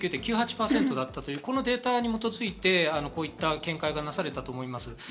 ９９．９８％だったというデータに基づいて、こういった見解がなされたと思います。